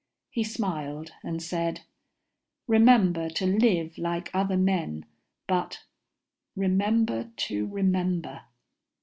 He smiled and said, "Remember to live like other men, but remember to remember."